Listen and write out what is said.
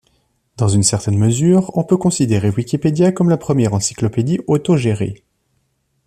Dans une certaine mesure, on peut considérer Wikipédia comme la première encyclopédie autogérée.